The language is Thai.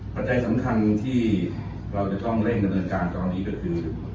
ปัญญัติสำคัญที่เราจะต้องเล่นเงินโดยการตอนนี้ก็คือ